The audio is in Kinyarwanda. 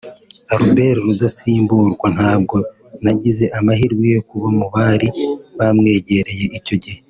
Albert Rudatsimburwa ntabwo nagize amahirwe yo kuba mu bari bamwegereye icyo gihe